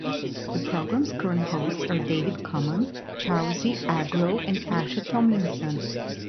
The program's current hosts are David Common, Charlsie Agro and Asha Tomlinson.